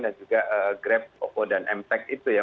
dan juga grab ovo dan m tech itu ya